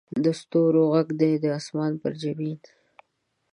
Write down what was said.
د ستورو ږغ دې د اسمان پر جبین